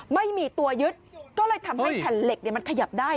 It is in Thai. ไม่มีตัวยึดก็เลยทำให้แผ่นเหล็กมันขยับได้